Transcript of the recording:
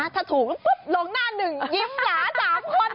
ถ้าถูกลงหน้าหนึ่งยิ้มหลาด่าคน